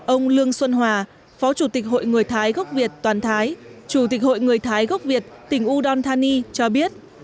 ông lương xuân hòa phó chủ tịch hội người thái gốc việt toàn thái chủ tịch hội người thái gốc việt tỉnh udon thani cho biết